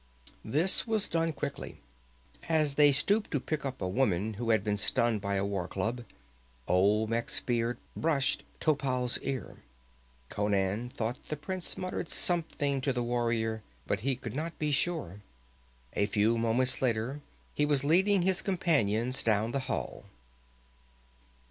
This was done quickly. As they stooped to pick up a woman who had been stunned by a war club, Olmec's beard brushed Topal's ear. Conan thought the prince muttered something to the warrior, but he could not be sure. A few moments later he was leading his companions down the hall.